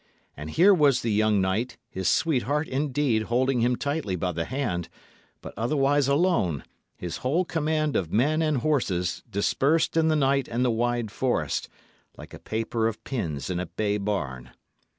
And here was the young knight, his sweetheart, indeed, holding him tightly by the hand, but otherwise alone, his whole command of men and horses dispersed in the night and the wide forest, like a paper of pins in a bay barn.